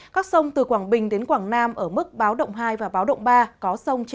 các sông từ quảng bình đến quảng nam ở mức báo động hai và báo động ba